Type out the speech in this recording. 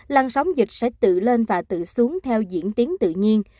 lăn sóng dịch sẽ tự lên và tự xuống theo diễn tiến tự nhiên